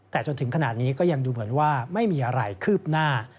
แต่จนถึงขนาดนี้ก็ยังดูเหมือนว่าไม่มีอะไรคืบหน้า